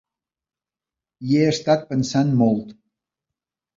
Hi he estat pensant molt.